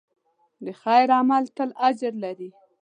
د خیر عمل تل اجر لري.